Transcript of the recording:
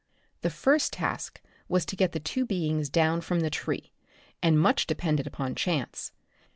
The first task was to get the two beings down from the tree, and much depended upon chance.